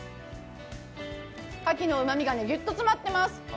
カキのうまみがギュッと詰まってます。